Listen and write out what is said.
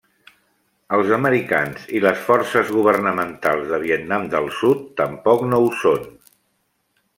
Els americans i les forces governamentals de Vietnam de Sud tampoc no ho són.